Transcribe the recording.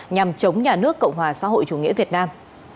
nhằm chống nhà nước cộng hòa xã hội chủ nghĩa việt nam